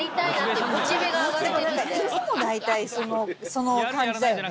いつも大体その感じだよね。